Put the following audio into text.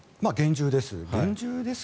厳重です。